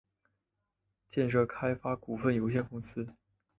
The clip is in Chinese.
建设开发股份有限公司